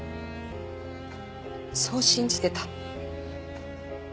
そう信じてた。